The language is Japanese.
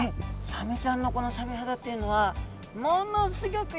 サメちゃんのこのサメ肌っていうのはものすギョく